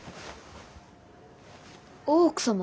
大奥様？